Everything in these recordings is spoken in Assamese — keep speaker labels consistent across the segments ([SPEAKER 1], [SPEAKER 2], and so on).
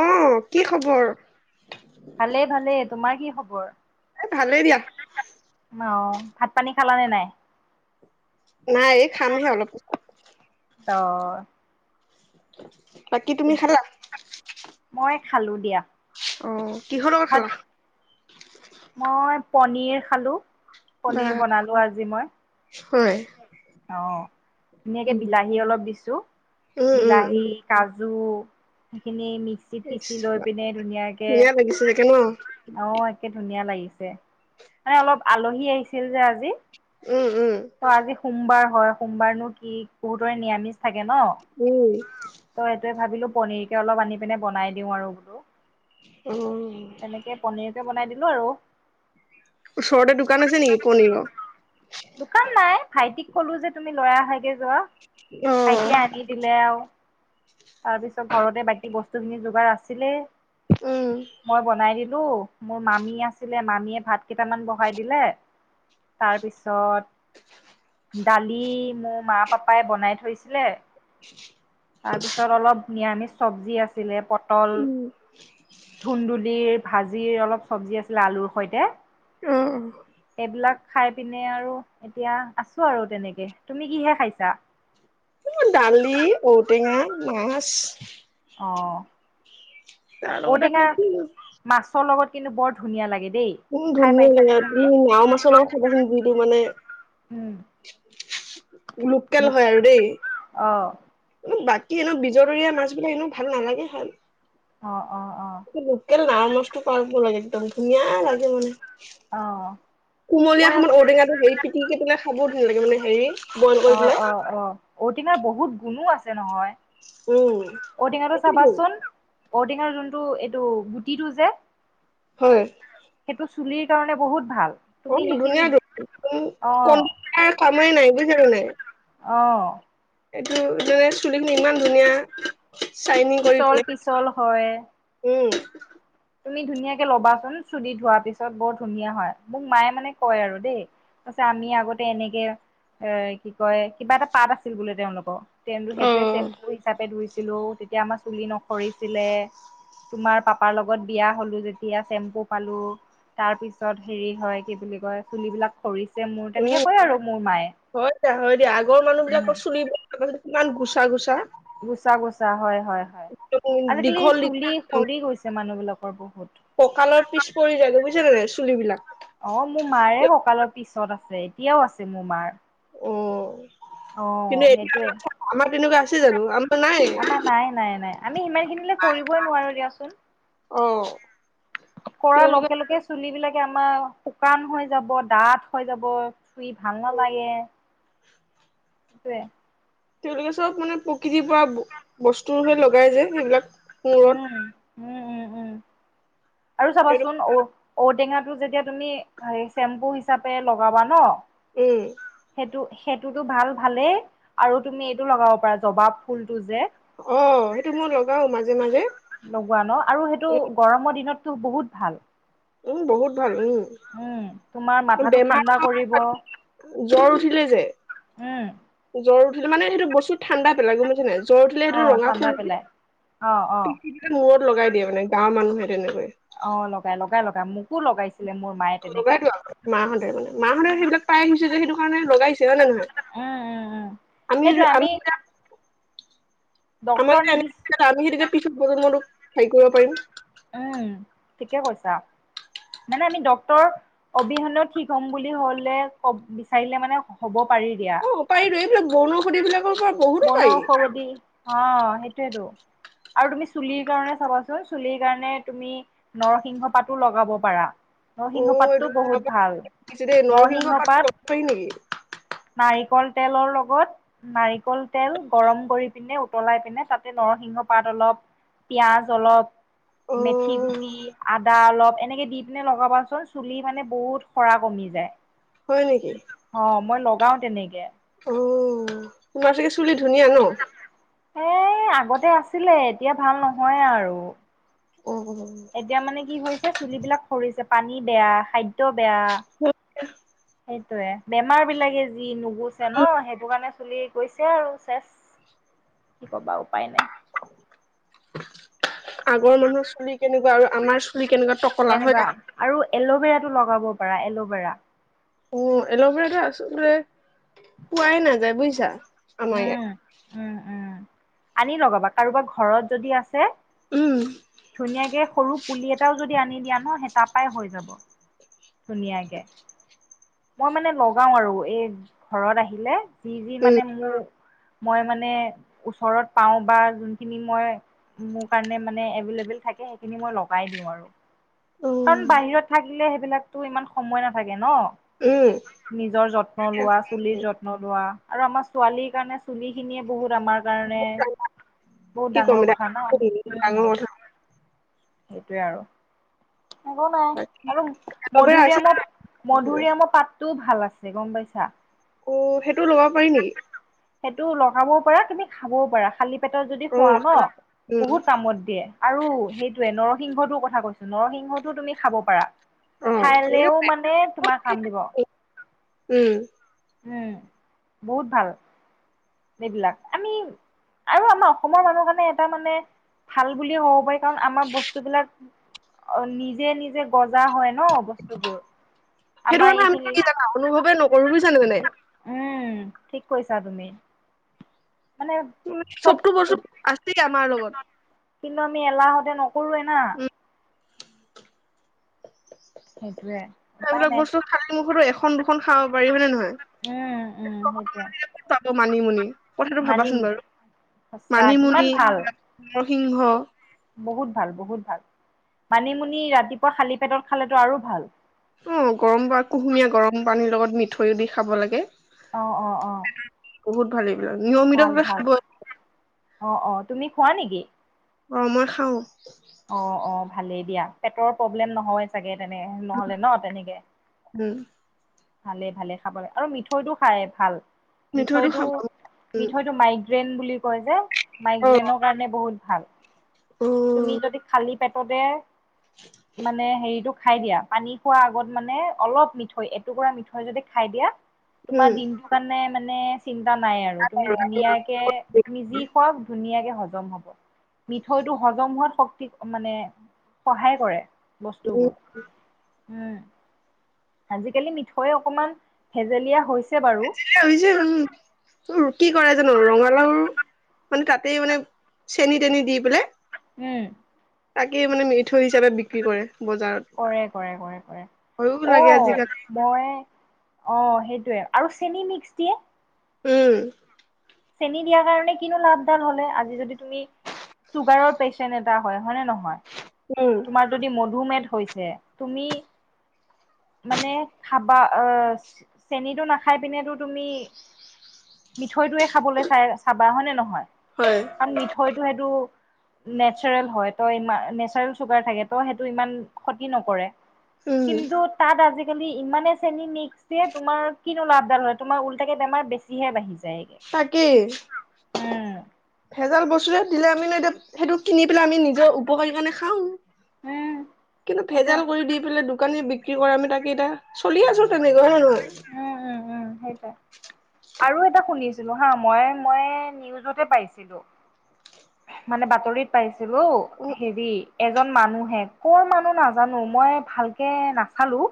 [SPEAKER 1] অ' কি খবৰ?
[SPEAKER 2] ভালেই ভালেই [unintelligible]
[SPEAKER 1] এ ভালেই দিয়া
[SPEAKER 2] অ' ভাত পানী খালা নে নাই?
[SPEAKER 1] নাই এই খামহে অলপ পিছত।
[SPEAKER 2] অ'।
[SPEAKER 1] [inaudible] বাকি তুমি খালা?
[SPEAKER 2] মই খালো দিয়া।
[SPEAKER 1] অ'। কিহৰ লগত
[SPEAKER 2] ভাত
[SPEAKER 1] খালা?
[SPEAKER 2] মই প পনীৰ খালো।
[SPEAKER 1] বা
[SPEAKER 2] পনীৰ বনালো আজি মই।
[SPEAKER 1] হয়।
[SPEAKER 2] অ' ধুনীয়াকে
[SPEAKER 1] উম,
[SPEAKER 2] বিলাহী অলপ দিছো।
[SPEAKER 1] উম, উম, উম।
[SPEAKER 2] বিলাহী, কাজু সেইখিনি মি মিক্সিত
[SPEAKER 1] ইচ
[SPEAKER 2] পিচি লৈ
[SPEAKER 1] ৰাম,
[SPEAKER 2] পিনে ধুনীয়াকে,
[SPEAKER 1] ধুনীয়া লাগিছে চাগে ন?
[SPEAKER 2] [unintelligible] অ' একে ধুনীয়া লাগি [unintelligible] মানে অলপ আলহী আহিছিল যে আজি
[SPEAKER 1] উম, উম,
[SPEAKER 2] ত' আজি সোমবাৰ হয়। সোমবাৰনো কি বহুতৰে নিৰামিছ থাকে ন!
[SPEAKER 1] উম।
[SPEAKER 2] ত' সেইটোৱে ভাবিলো পনিৰকে অলপ আনি পিনে বনাই দিওঁ আৰু বোলো।
[SPEAKER 1] [inaudible]
[SPEAKER 2] তেনেকে পনিৰকে বনাই দিব [unintelligible]
[SPEAKER 1] ওচৰতে দোকান আছে নিকি পনিৰৰ?
[SPEAKER 2] দোকান নাই ভাইটিক কলো যে তুমি লৈ আহাঁ গে যোৱা।
[SPEAKER 1] অ',
[SPEAKER 2] ভাইটিয়ে আনি দিলে আৰু তাৰ পিছত ঘৰতে বাকী বস্তুখিনি যোগাৰ আছ ছিলে
[SPEAKER 1] উম,
[SPEAKER 2] মই বনাই দিম মোৰ মামী আছিলে মামীয়ে ভাত কেইটামান বহাই দিলে। তাৰপিছত দালি মোৰ মা পাপাই বনাই থৈছিলে। তাৰপিছত
[SPEAKER 1] [unintelligible]
[SPEAKER 2] অলপ নিৰামিষ চব্জি আছিলে। পটল,
[SPEAKER 1] উম,
[SPEAKER 2] ধুন্দুলিৰ ভাজিৰ অলপ চব্জি আছিলে আলুৰ সৈতে।
[SPEAKER 1] অ'।
[SPEAKER 2] এইবিলাক খাই পিনে আৰু এতিয়া আছো আৰু তেনেকে। তুমি কিহে খাইছা?
[SPEAKER 1] দালি, ঔটেঙা, মাছ
[SPEAKER 2] অঁ।
[SPEAKER 1] তাৰ লগতে
[SPEAKER 2] ঔটেঙা
[SPEAKER 1] খাইছোঁ।
[SPEAKER 2] মাছৰ লগত কিন্তু বৰ ধুনীয়া লাগে। দেই।
[SPEAKER 1] উম
[SPEAKER 2] খাই
[SPEAKER 1] ধুনীয়া
[SPEAKER 2] পাইছানে
[SPEAKER 1] টেঙা। তুমি লাও মাছৰ লগত খাবাচোন যিটো মানে
[SPEAKER 2] উম,
[SPEAKER 1] [unintelligible] লোকেল হয় আৰু
[SPEAKER 2] অ',
[SPEAKER 1] দেই বাক কি এনো বিজদৰীয়া মাছ বিলাক এনো ভাল নালাগে। ভাল
[SPEAKER 2] অ। অ', অ',
[SPEAKER 1] কি লকে লোকেল নাৰ মাছটো পাব লাগে একদম ধুনীয়া লাগে মানে
[SPEAKER 2] অ',
[SPEAKER 1] কুমলীয়া
[SPEAKER 2] মই
[SPEAKER 1] সমত ঔটেঙাটো হেৰি পিটিকি পেলাই খাব লাগে মানে হেৰি বইল কৰি
[SPEAKER 2] অ
[SPEAKER 1] পেলাই।
[SPEAKER 2] অ অ ঔপেঙাৰ বহুত গুণো আছে। যে নহয়।
[SPEAKER 1] উম
[SPEAKER 2] ঔটেঙাটো চাবা
[SPEAKER 1] সেইটোৱেটো
[SPEAKER 2] চোন। ঔটেঙাৰ যোনটো এইটো গুটিটো যে?
[SPEAKER 1] হয়।
[SPEAKER 2] সেইটো চুলিৰ কাৰণে বহুত ভাল। তুমি
[SPEAKER 1] অ'
[SPEAKER 2] সেইখিনি
[SPEAKER 1] ধুনীয়া দেখোন। কম
[SPEAKER 2] অ',
[SPEAKER 1] কে কামেই নাই, বুজিছা নে নাই?
[SPEAKER 2] অ'।
[SPEAKER 1] এইটো যেনে চুলিখিনি ইমান ধুনীয়া শ্বাইনিং কৰি
[SPEAKER 2] পিছল
[SPEAKER 1] তোলে।
[SPEAKER 2] পিছল হয়।
[SPEAKER 1] উম। [unintelligible]
[SPEAKER 2] তুমি ধুনীয়াকে লবাচোন, চুুলি ধোৱাৰ পিছত। বৰ ধুনীয়া হয়। মোক মায়ে মানে কয় আৰু দেই। কৈছে আমি আগতে এনেকে অ' কি কয়, কিবা এটা পাত আছিল বোলে, তেওঁলোক [unintelligible] তেওঁলোক- সেটোৱে শ্বেম্পু হিচাপে ধুইছ ছিলোঁ, তেতিয়া আমাৰ চুলি নসৰিছিলে। তোমাৰ পাপাৰ লগ লগত বিয়া হ'লোঁ যেতিয়া, শ্বেম্পু পালোঁ। তাৰ পিছত হেৰি হয়, কি বুলি কয়, চুলিবিলাক সৰি
[SPEAKER 1] উম। হয় দিয়া, হয় দিয়া। আগৰ মানুহবিলাকৰ চুলি আগতে কিমান গুচা- গুচা।
[SPEAKER 2] গুচা - গুচা হয়। হয়- হয়। আজিকালি
[SPEAKER 1] দীঘল দীঘল
[SPEAKER 2] চুলি সৰি গৈছে মানুহ বিলাকৰ বহুত।
[SPEAKER 1] ককালৰ পিছ পৰি যায়গে বুজিছা নে নাই, চুলিবিলাক?
[SPEAKER 2] অ' মোৰ মাৰে ককালৰ পিছত আছে। এতিয়াও আছে মোৰ মাৰ।
[SPEAKER 1] অ',
[SPEAKER 2] অ
[SPEAKER 1] কিন্তু এতিয়া
[SPEAKER 2] সেইটোৱে
[SPEAKER 1] আমাৰ কেনেকুৱা আ ছে জানো? আম
[SPEAKER 2] আমাৰ নাই - নাই - নাই। আমি সিমানখিনিলৈ কৰিবই নোৱাৰোঁ দিয়াচোন।
[SPEAKER 1] অ'।
[SPEAKER 2] কৰা
[SPEAKER 1] তেওঁলোকে
[SPEAKER 2] লগে - লগে চুলিবিলাক কে আমাৰ শুকান হৈ যাব, দাঠ হৈ যাব, চুই ভাল নালাগে।
[SPEAKER 1] [unintelligible]
[SPEAKER 2] সেইটোৱে।
[SPEAKER 1] তেওঁলোকে চব মানে প্ৰকৃতিৰ পৰা ব- বস্তুৰহে লগাই যে, সেইবিলাক মূৰত
[SPEAKER 2] উম। উম - উম - উম। আৰু
[SPEAKER 1] সেইটো
[SPEAKER 2] চাবাচোন ঔ ঔটেঙাটো যেতিয়া তুমি হেৰি শ্বেম্পু হিচাপে লগাবা ন'
[SPEAKER 1] উম।
[SPEAKER 2] সেইটো- সেইটোতো ভাল- ভালেই। আৰু তুমি এইটো লগাব পাৰা, জবা ফুলটো যে
[SPEAKER 1] অ' সেইটো মই লগাওঁ মাজে - মাজে।
[SPEAKER 2] লগোৱা ন'? আৰু সেইটো
[SPEAKER 1] উম,
[SPEAKER 2] গৰমৰ দিনত তো বহুত ভাল।
[SPEAKER 1] উম বহুত ভাল। উম।
[SPEAKER 2] উম। তোমাৰ মাথাটো
[SPEAKER 1] বেমাৰ
[SPEAKER 2] ঠাণ্ডা কৰিব।
[SPEAKER 1] জ্বৰ উঠিলে যে
[SPEAKER 2] উম
[SPEAKER 1] জ্বৰ উঠিলে মানে হেটো বস্তুটো ঠাণ্ডা পেলাই গম পাইছা নাই? জ্বৰ উঠিলে সেইটো
[SPEAKER 2] অ'
[SPEAKER 1] ৰঙা
[SPEAKER 2] ঠাণ্ডা পেলাই।
[SPEAKER 1] ফুলবোৰ
[SPEAKER 2] অ', অ',
[SPEAKER 1] পিছি পিলে মূৰত লগাই দিয়ে মানে গাঁৱৰ মানুহে। তেনেকে
[SPEAKER 2] অ লগাই লগাই লগাই মোক কু লগাইছে।
[SPEAKER 1] লগাটো আক মাহঁহতে। মাহঁতে সেইবিলাক পাই আহিছে যে সেইটো কাৰণে লগাইছে হয় নে নহয়?
[SPEAKER 2] উম উম উম। সেইটো আমি
[SPEAKER 1] আমাৰ
[SPEAKER 2] ডক্তৰ
[SPEAKER 1] এ
[SPEAKER 2] নিবিচ
[SPEAKER 1] এনে আমি সেইটো যে পিছত বজনাতোক হেই কৰিব পাৰিম।
[SPEAKER 2] উম, ঠিকে কৈছা। মানে আমি ডক্তৰ অবিহনে ঠিক হম বুলি হলে কব বিচাৰিলে মানে হ'ব। পাৰি দিয়া।
[SPEAKER 1] অ পাৰিবে এইবিলাক বনৌষধি বিলাক
[SPEAKER 2] বনৌষধি অ সেইটোয়েতো আৰু তুমি চুলিৰ কাৰণে চাবাচোন চুলিৰ কাৰণে তুমি নৰসিংহ পাতো লগাব পাৰা।
[SPEAKER 1] অ
[SPEAKER 2] নৰসিংহ পাততটো
[SPEAKER 1] এইটো তোমাৰ
[SPEAKER 2] বহুত
[SPEAKER 1] পৰা
[SPEAKER 2] ভাল।
[SPEAKER 1] শিকিছো দেই
[SPEAKER 2] নৰসিংহ পাত,
[SPEAKER 1] লব পাৰি নেকি
[SPEAKER 2] নাৰিকল তেলৰ লগত নাৰিকল তেল গৰম কৰি পিনে উতলাই পিনে তাতে নৰসিংহ পাত অলপ পিয়াজ অলপ
[SPEAKER 1] অ
[SPEAKER 2] মেথি গুটি, আদা অলপ এনেকে দি পিনে লগাবাচোন চুলি মানে বহুত সৰা কমি যায়।
[SPEAKER 1] হয় নিকি?
[SPEAKER 2] অ মই লগাও তেনেকে
[SPEAKER 1] অ তোমাৰ চাগে চুলি ধুনীয়া ন?
[SPEAKER 2] এই আগতে আছিলে এতিয়া ভাল নহয় আৰু
[SPEAKER 1] অ
[SPEAKER 2] এতিয়া মানে কি হৈছে চুলিবিলাক সৰিছে। পানী বেয়া, খাদ্য বেয়া সেই য়ে বেমাৰ বিলাকে যি মো গুছে ন সেইটো কাণে চুলি গৈছে আৰু চেচ কি ক'বা উপায় নাই
[SPEAKER 1] [unintelligible] আগৰ মানুহৰ চুলি কেনেকুৱা আৰু আ আমাৰ চুলি কেনুকা
[SPEAKER 2] কেনেকুৱা আৰু এল'ভেৰা লগাব পাৰা এল'ভেৰা
[SPEAKER 1] অ এল'ভেৰাটো আচলতে পোৱাই নাযায় বুজিছা আমাৰ
[SPEAKER 2] উম উম উম আনি লগাবা কাৰোবাৰ ঘৰত যদি আছে
[SPEAKER 1] উম
[SPEAKER 2] [unintelligible] ধুনীয়াকে সৰু পুলি এটাও যদি আনি দিয়া ন সেই তাৰাপই হৈ যাব ধুনীয়াকে মই মানে লগাও আৰু এই ঘৰত আহিলে [unintelligible] যি যি
[SPEAKER 1] উম
[SPEAKER 2] মানে মই মানে ওচৰত পাও বা যোনখিনি মই মোৰ কাৰণে মানে এভেইলেবল থাকে সেইখিনি মই লগাই দিও আৰু
[SPEAKER 1] অ
[SPEAKER 2] কাৰণ বাহিৰত থাকিলে সেইবিলাকতো ইমান সময় নাথাকে ন [unintelligible]
[SPEAKER 1] উম
[SPEAKER 2] নিজৰ যত্ন লোৱা চুলিৰ যত্ন লোৱা আৰু আমাৰ ছোৱালীৰ কাৰণে চুলি খিনিয়ে বহুত আমাৰ কাৰণে বহুত
[SPEAKER 1] কি কম
[SPEAKER 2] ডাঙৰ
[SPEAKER 1] ডাঙ
[SPEAKER 2] কথা
[SPEAKER 1] [unintelligible]
[SPEAKER 2] সেইটোৱে আৰু একো নাই আৰু
[SPEAKER 1] এল'ভেৰা আছে
[SPEAKER 2] মধুৰিআমাৰ
[SPEAKER 1] সেইফালে।
[SPEAKER 2] মধুৰিআমৰ পাতটো [unintelligible] ভাল আছিল গম পাইছা
[SPEAKER 1] অ সেইটো ল'ব পাৰি নেকি
[SPEAKER 2] সেইটো লগাবও পাৰা কিন্তি খাবও পাৰা খালি পেত যদি
[SPEAKER 1] অ
[SPEAKER 2] খোৱা ন
[SPEAKER 1] উম
[SPEAKER 2] বহুত কামত দিয়ে আৰু স ৰসিংহটোৰ কথা কৈছো নৰসিংহ তো তুমি খাব পাৰা
[SPEAKER 1] অ
[SPEAKER 2] [unintelligible]
[SPEAKER 1] সেইকেইটা
[SPEAKER 2] খাইলেও
[SPEAKER 1] পাৰি।
[SPEAKER 2] মানে তোমাৰ কাম দিব উম বহুত ভাল এইবিলাক আমি আৰু আমাৰ অসমৰ মানুহ কাৰণে এটা মানে ভাল বুলিয়ে হ'ব পাৰি কাৰণ আমাৰ বস্তুবিলাক নিজে নিজে গছ
[SPEAKER 1] সেইটো
[SPEAKER 2] আমাৰ
[SPEAKER 1] কাৰণে আমি
[SPEAKER 2] এইখিনি
[SPEAKER 1] কি জানা অনুভৱে নকৰো বুজিছাানে মানে
[SPEAKER 2] উম ঠিক কৈছা তুমি মানে চব
[SPEAKER 1] সবটো বৰছ আ আমাৰ লগত
[SPEAKER 2] কিন্তু আমি এলাহতে নকৰোৱে না
[SPEAKER 1] উম
[SPEAKER 2] সেইটোৱে উপায়
[SPEAKER 1] সেইবিলাক
[SPEAKER 2] নাই
[SPEAKER 1] বস্তু খালি মুখৰো এশ স দুষখন খাব পাৰি হয়নেে নহয়।
[SPEAKER 2] উম উম
[SPEAKER 1] চবতে
[SPEAKER 2] সেইটোৱে
[SPEAKER 1] ক'ত পাব মানিমুনি কথাটো
[SPEAKER 2] মানিম
[SPEAKER 1] ভাবাচোন বাৰু
[SPEAKER 2] সঁচা কিমান
[SPEAKER 1] মানিমুনি
[SPEAKER 2] ভাল
[SPEAKER 1] সিংহ
[SPEAKER 2] বহুত ভাল বহুত ভাল মানিমুনি ৰাতিপুৱা শালি পেটত খালেতো আৰু ভাল [unintelligible]
[SPEAKER 1] অ গৰম বা কুহুমীয়া গৰম পানীৰ লগত মিঠৈও দি খাব লাগে [unintelligible]
[SPEAKER 2] অ-অ-অ
[SPEAKER 1] বহুত ভাৰি
[SPEAKER 2] ভাল-ভাল, অ-অ, তুমি খোৱা নেকি?
[SPEAKER 1] অ মই খাওঁ [unintelligible]
[SPEAKER 2] অ-অ ভালেই দিয়া, পেটৰ প্ৰব্লেম নহয় চাগে। তেনে, নহলে ন তেনেকে
[SPEAKER 1] উম
[SPEAKER 2] ভালে-ভালে খাব লাগে, আৰু মিঠৈটো খাই ভাল
[SPEAKER 1] মিঠৈটো খাব উম
[SPEAKER 2] মিঠৈটো-মিঠৈটো মাইকী [unintelligible] টেন বুলি কয় যে [unintelligible]
[SPEAKER 1] অ
[SPEAKER 2] মাইগ্ৰেইনৰ কাৰণে বহুত ভাল। তুমি
[SPEAKER 1] উম
[SPEAKER 2] যদি খালী? পেটতে মানে হেৰিটো খাই দিয়া, পানী খোৱাৰ আগত মানে, অলপ মিঠৈ টুকুৰা মিঠৈ যদি খাই দিয়া তোমাৰ
[SPEAKER 1] উম
[SPEAKER 2] দিনটো কাৰণে মানে, চিন্তা চিন্তা নাই আৰু তুমি ধুনীয়াকে, তুমি যি
[SPEAKER 1] ভাবিছে
[SPEAKER 2] কওক ধুনীয়াকে সজাব [unintelligible] হজম হব, মিঠৈটো হজম হোৱাত শক্তি মানে, সহায় কৰে [unintelligible] বস্তুবোৰ হম আজিকালি মিঠৈ অকমান, ভেজেলীয়া হৈছে বাৰু।
[SPEAKER 1] আজ হৈছে [unintelligible] আৰু কি কৰা যাব ৰঙালাও মানে তাতেই, মানে চেনি-তেনি দি পেলাই
[SPEAKER 2] উম
[SPEAKER 1] তাকেই মানে, মিঠৈ হিচাপত বিক্ৰী কৰে। বজাৰত
[SPEAKER 2] কৰে-কৰে-কৰে-কৰে,
[SPEAKER 1] ভয়ো
[SPEAKER 2] অ
[SPEAKER 1] লাগে আজিকালি
[SPEAKER 2] মই অ সেইটোৱে, আৰু চেনি মিক্স দিয়ে
[SPEAKER 1] উম
[SPEAKER 2] চেনিী দিয়াৰ কাৰণে কিনো লাভদাল হলে, আজি যদি তুমি চুগাৰৰ পেচেণ্ট এটা হয় নে নহয়।
[SPEAKER 1] উম
[SPEAKER 2] তোমাৰ যদি মধুমেহ [unintelligible] থৈছে তুমি মানে খাবা আহ, চেনিটো নাখাই পিনেতো তুমি মিঠৈটোয়ে খাবলৈ চাই চাবা, হয় নে নহয়?
[SPEAKER 1] হয়
[SPEAKER 2] কাৰণ মিঠৈতো সেইটো নেচাৰেল হয়, ত ই নেচাৰেল চুগাৰ থাকে ত, সেইটো ইমান ক্ষতি নকৰে।
[SPEAKER 1] উম
[SPEAKER 2] [unintelligible] কিন্তু তাত আজি। আজি কালি ইমানে চেনি মিক্স তোমাৰ কিনো লাভ ডাল হ'য়। তোমাৰ ওলটাকে বেমাৰ বেছিহে বাঢ়িছে। যাইগে।
[SPEAKER 1] কি ভেজাল বস্তুৰে দিলে আমি। সেইটো কিনি পেলাই আমি নিজৰ উপকাৰী কাৰণে খাওঁ।
[SPEAKER 2] উম
[SPEAKER 1] কিন্তু
[SPEAKER 2] সেইটোৱে
[SPEAKER 1] ভেজাল কৰি দি পেলাই দোকানী বিকি। কি কৰে মানুহগিটা চলি আছোঁ তেনেকৈ।
[SPEAKER 2] উম উম উম সেইটোৱেই। আৰু এটা শুনিছিলোঁ হা মই মই নিউজতে পাইছিলোঁ। মানে বাতৰিত পাইছোঁ। হেল্লো
[SPEAKER 1] অ
[SPEAKER 2] হেৰি। এজন মানুহে কৰ মানুহ নাজানোঁ মই ভালকে নাচালোঁ।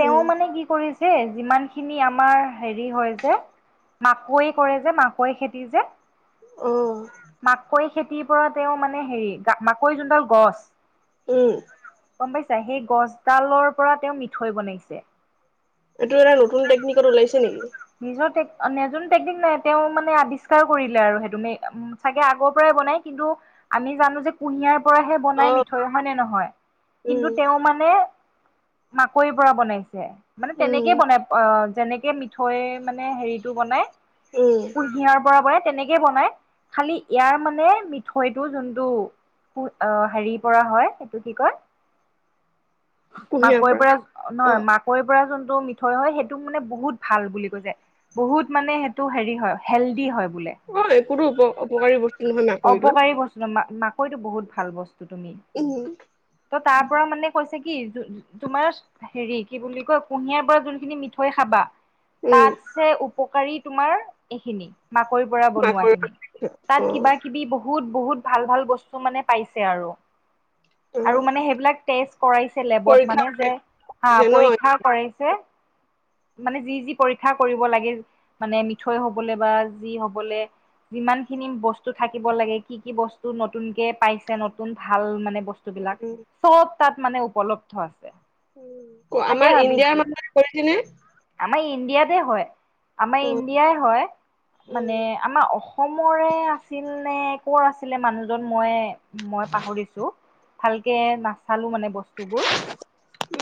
[SPEAKER 2] তেওঁ
[SPEAKER 1] উম
[SPEAKER 2] মানে কি কৰিছে। যে যিমান খিনি আমাৰ হেৰি হয় যে, মাকৈ কৰে যে মাকৈ খেতি যে।
[SPEAKER 1] উম।
[SPEAKER 2] মাকৈ খেতিৰ পৰা তেওঁ মানে হেৰি মাকৈ যোনডাল গছ।
[SPEAKER 1] উম।
[SPEAKER 2] গম পাইছা সেই গছডালৰ পৰা তেওঁ মিঠৈ বনাইছে।
[SPEAKER 1] এইটো এটা নতুন টেকনিকত ওলাইছে। নেকি
[SPEAKER 2] নিজৰ টেকনিক। নে যোন টেকনিক নাই তেওঁ মানে আৱিষ্কাৰ কৰিলে। আৰু সেইটো মে চাগে আগৰ পৰাই বনাই কিন্তু আমি জানো যে কুঁহিয়াৰ। পৰাহে বনাই
[SPEAKER 1] অ
[SPEAKER 2] মিঠৈ হ'য় নে নহয় কিন্তু
[SPEAKER 1] উম
[SPEAKER 2] তেওঁ মানে। মাকৈৰ পৰা বনাইছে মানে
[SPEAKER 1] উম
[SPEAKER 2] তেনেকে বনাই অ যেনেকে। মিঠৈ মানে হেৰিটো বনাই।
[SPEAKER 1] উম
[SPEAKER 2] কুঁহিয়াৰ পৰা বনাই। তেনেকে বনাই খালি ইয়াৰ মানে মিঠৈটো যোনটো হেৰি পৰা হয় সেইটো কি কয়। মাকৈৰ পৰা
[SPEAKER 1] অ
[SPEAKER 2] নহয় মাকৈৰ পৰা যোনটো। মিঠৈ হ'য় সেইটোক মানে বহুত ভাল বুলি কৈছে। বহুত মানে সেইটো হেৰী হ'য় হেলডি হ'য়। বোলে
[SPEAKER 1] হ'য় কোনো উপকাৰী বস্তু নহয়। মাকৰিটো
[SPEAKER 2] অপকাৰী বস্তু ন মা‌ মাকৈ। হয়তো বহুত ভাল বস্তু। ত তুমি
[SPEAKER 1] উম
[SPEAKER 2] ত তাৰ পৰা মানে কৈছে কি। কি তোমাৰ হেৰি কি বুলি কয় কুঁহিয়াৰ পৰা যোনখিনি মিঠৈ খাবা।
[SPEAKER 1] উম
[SPEAKER 2] তাতছে ওপৰ। উপকাৰী তোমাৰ এইখিনি। মাকৈৰ পৰা
[SPEAKER 1] মাকৈ
[SPEAKER 2] বনোৱাখিনি।
[SPEAKER 1] অ
[SPEAKER 2] তাত বহুত - বহুত ভাল - ভাল বস্তু মানে পাইছে আৰু।
[SPEAKER 1] অ
[SPEAKER 2] আৰু মানে সেইবিলাক টেষ্ট কৰাইছে লেবত
[SPEAKER 1] পৰীক্ষা
[SPEAKER 2] মানে যে, হা
[SPEAKER 1] দিছে ন
[SPEAKER 2] পৰীক্ষা কৰাইছে। মানে যি - যি পৰীক্ষা কৰিব লাগে, মানে মিঠৈ হবলে বা যি হবলে যিমানখিনি বস্তু থাকিব লাগে, কি - কি বস্তু নতুনকে পাইছে, নতুন ভাল মানে বস্তুবিলাক
[SPEAKER 1] উম,
[SPEAKER 2] চব তাত মানে উপলব্ধ আছে। তাকে
[SPEAKER 1] আমাৰ ইণ্ডিয়াৰ
[SPEAKER 2] ভাবিছো।
[SPEAKER 1] মানুহে কৰিছেনে?
[SPEAKER 2] আমাৰ ইণ্ডিয়াতে হয়। আমাৰ
[SPEAKER 1] অ
[SPEAKER 2] ইণ্ডিয়াই হয়। মানে
[SPEAKER 1] উম
[SPEAKER 2] আমাৰ অসমৰে আছিল নে ক'ৰ আছিলে মানুহজন মই- মই পাহৰিছোঁ। ভালকে নাচালোঁ মানে বস্ স্তুবোৰ,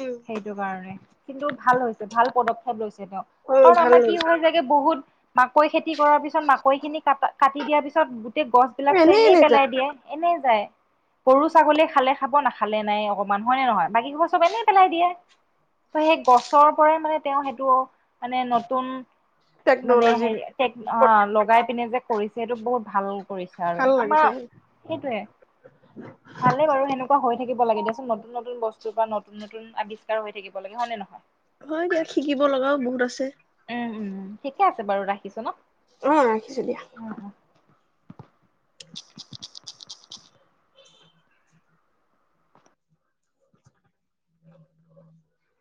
[SPEAKER 1] উম
[SPEAKER 2] সেইটো কাৰণে। কিন্তু ভাল হৈ ভাল পদক্ষেপ লৈছে। ছে তেওঁ।
[SPEAKER 1] অ
[SPEAKER 2] কাৰণ
[SPEAKER 1] ভাল
[SPEAKER 2] আমাৰ কি
[SPEAKER 1] লাগিছে
[SPEAKER 2] হয় যায়গে, বহুত মাকৈ খেত তি কৰাৰ পিছত, মাকৈখিনি কাটা- কাটি দিয়াৰ পিছত, গোটেই গছবিলাকতো এনেই
[SPEAKER 1] এনে যা
[SPEAKER 2] পেলাই দিয়ে। এনেই যায় গৰু-ছাগলীয়ে খালে খাব, নাখালে নাই অকমান, হয় নে নহয়? বাকী সোপা চব এনে পেলাই দিয়ে। তো সেই গছৰ পৰাই মানে তেওঁ সেইটো মানে নতুন, মানে
[SPEAKER 1] টেকনলজি
[SPEAKER 2] হেৰি- টেক- অ' লগাই পিনে যে কৰিছে, সেইটো বহুত ভাল পৰিছে আৰু।
[SPEAKER 1] ভাল
[SPEAKER 2] আমাৰ
[SPEAKER 1] লাগিছে
[SPEAKER 2] সেইটোৱে। ভালে বাৰু সেনেকুৱা হৈ থাকিব লাগে দিয়াচোন তুন - নতুন বস্তুৰ পৰা নতুন - নতুন আৱিষ্কাৰ হৈ থাকিব লাগে, হয় নে নহয়?
[SPEAKER 1] হয় দিয়া। শিকিব লগাও বহুত আছে।
[SPEAKER 2] উম - উম, ঠিকে আছে বাৰু। ৰাখিছোঁ ন'?
[SPEAKER 1] অ' ৰাখিছোঁ দিয়া।
[SPEAKER 2] উম উম [inaudible]
[SPEAKER 1] [inaudible] অ